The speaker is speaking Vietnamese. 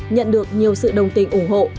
nhận được nhiều sự đồng tình ủng hộ